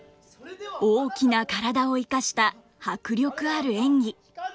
大きな体を生かした迫力ある演技。